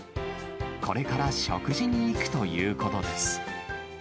これから食事に行くということです。